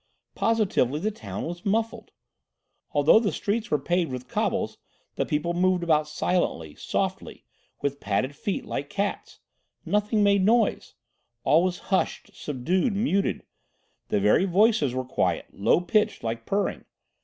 Positively, the town was muffled. Although the streets were paved with cobbles the people moved about silently, softly, with padded feet, like cats. Nothing made noise. All was hushed, subdued, muted. The very voices were quiet, low pitched like purring.